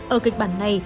ở kịch bản này